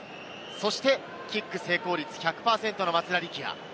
そしてキック成功率１００％の松田力也。